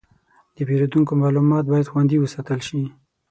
د پیرودونکو معلومات باید خوندي وساتل شي.